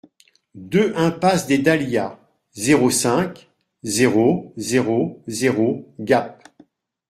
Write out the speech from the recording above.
deux impasse des Dahlias, zéro cinq, zéro zéro zéro Gap